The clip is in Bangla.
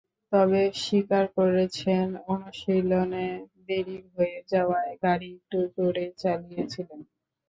তবে স্বীকার করেছেন, অনুশীলনে দেরি হয়ে যাওয়ায় গাড়ি একটু জোরেই চালিয়েছিলেন।